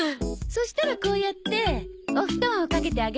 そしたらこうやってお布団をかけてあげるのよ。